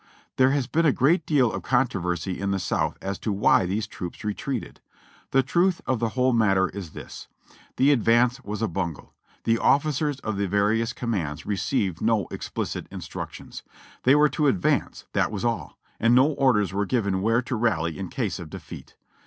There has been a great deal of controversy in the South as to why these troops retreated. The truth of the whole matter is this : the advance was a bungle ; the officers of the various commands received no explicit instructions. They were to ad vance, that was all ; and no orders were given where to rally in case of defeat.